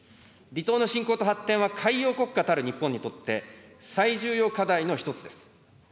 離島の振興と発展は海洋国家たる日本にとって最重要課題の一つです。